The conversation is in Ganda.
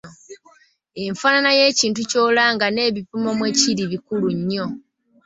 Enfaanana y'ekintu ky'olanga n'ebipimo mwe kiri bikulu nnyo.